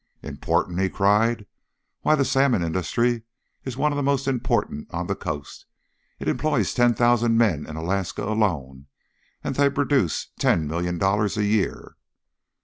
"Important!" he cried. "Why, the salmon industry is one of the most important on the Coast. It employs ten thousand men in Alaska alone, and they produce ten million dollars every year."